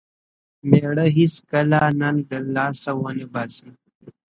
مېړه بايد هيڅکله ننګ له لاسه و نه باسي.